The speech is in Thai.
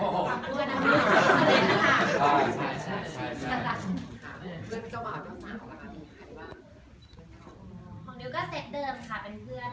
ก็ถ้าระหารเสิร์ฟของดิวสิคะระหารเสิร์ฟของคุณนะครับ